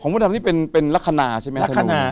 มดดำนี่เป็นลักษณะใช่ไหมทนาย